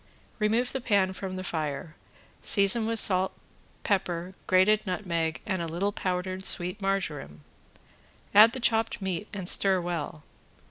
Remove the pan from the fire, season with salt, pepper, grated nutmeg and a little powdered sweet marjoram, add the chopped meat and stir well.